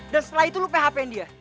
dan setelah itu lo php in dia